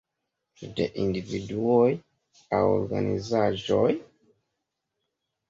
Ĉu de individuoj aŭ organizaĵoj?